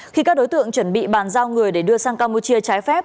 khi các đối tượng chuẩn bị bàn giao người để đưa sang campuchia trái phép